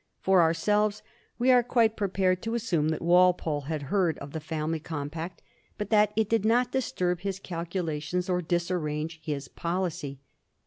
For ourselves, we are quite prepared to as sume that Walpole had heard of the family compact, but that it did not disturb his calculations or disarrange his policy.